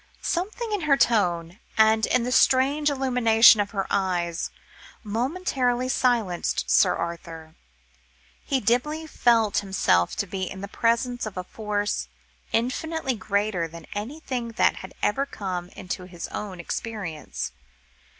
Something in her tone, and in the strange illumination of her eyes, momentarily silenced Sir Arthur; he dimly felt himself to be in the presence of a force infinitely greater than anything that had ever come into his own experience.